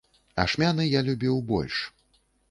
Ашмяны я любіў больш.